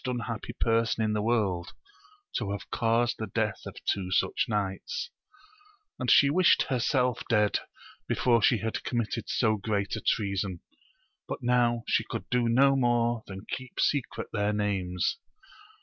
181 unhappy person in the world to have caused the death of two such knights ; and she wished herself dead before she had committed so great a treason, but now she could do no more than keep secret their names.